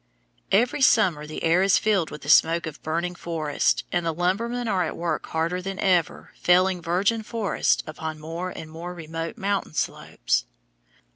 Every summer the air is filled with the smoke of burning forests, and the lumbermen are at work harder than ever felling virgin forests upon more and more remote mountain slopes.